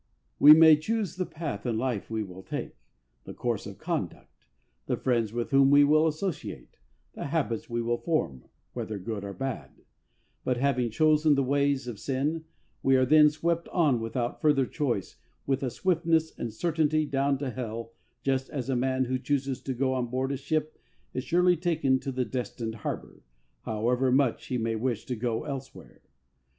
We may choose the path in life we will take ; the course of conduct ; the friends with whom we will associate ; the habits we will form, whether good or bad; but having chosen the ways of sin we are then swept on without further choice with a swiftness and certainty down to hell, just as a man who chooses to go on board a ship is surely taken to the destined harbour, however much he may wish to. go elsewhere.